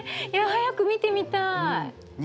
いや早く見てみたい。